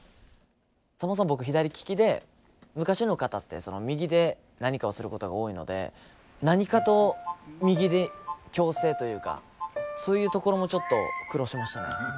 そもそも僕左利きで昔の方って右で何かをすることが多いので何かと右に矯正というかそういうところもちょっと苦労しましたね。